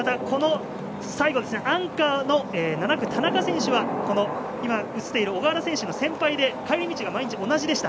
最後、アンカーの７区、田中選手は小川選手の先輩で帰り道が毎日同じでした。